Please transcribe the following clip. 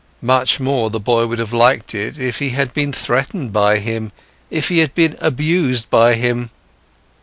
Much more the boy would have liked it if he had been threatened by him, if he had been abused by him.